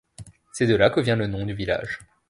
C'est de là que vient le nom du village.